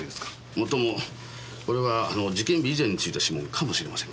もっともこれは事件日以前に付いた指紋かもしれませんけど。